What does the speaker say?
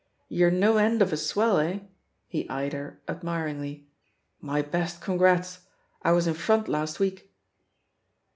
"You're no end of a swell, eh?" He eyed her admiringly. "My best congratst I was in front last week."